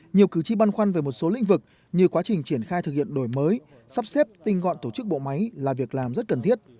nhiều cử tri băn khoăn về một số lĩnh vực như quá trình triển khai thực hiện đổi mới sắp xếp tinh gọn tổ chức bộ máy là việc làm rất cần thiết